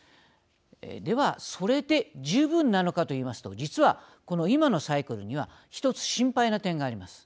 では、それで十分なのかと言いますと実は、この今のサイクルには１つ心配な点があります。